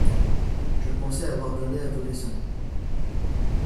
Je pensais avoir donné adolescent.